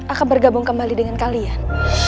akan bergabung kembali dengan kalian